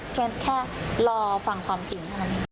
เพียงแค่รอฟังความจริง